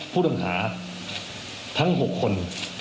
ผู้ต้องหาทั้ง๖คน